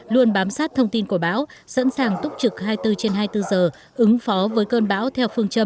luôn bám sát thông tin của bão sẵn sàng túc trực hai mươi bốn trên hai mươi bốn giờ ứng phó với cơn bão theo phương châm bốn